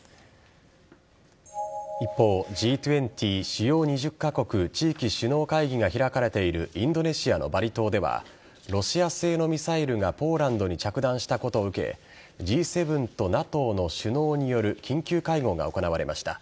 一方、Ｇ２０＝主要２０カ国・地域首脳会議が開かれているインドネシアのバリ島ではロシア製のミサイルがポーランドに着弾したことを受けＧ７とＮＡＴＯの首脳による緊急会合が行われました。